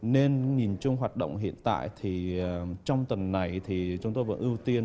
nên nhìn chung hoạt động hiện tại thì trong tuần này thì chúng tôi vẫn ưu tiên